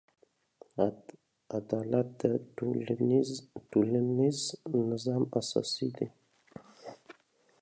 عدالت د ټولنیز نظم اساس دی.